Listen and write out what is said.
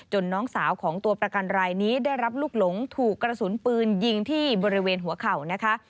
น้องสาวของตัวประกันรายนี้ได้รับลูกหลงถูกกระสุนปืนยิงที่บริเวณหัวเข่านะคะ